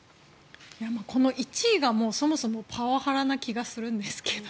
この１位がそもそもパワハラな気がするんですけど。